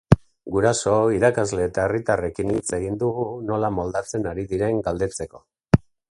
Guraso, ikarasle eta herritarrekin hitz egin dugu nola moldatzen ari diren galdetzeko.